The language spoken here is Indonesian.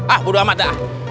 ah bodo amat dah